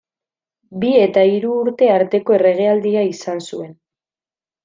Bi eta hiru urte arteko erregealdia izan zuen.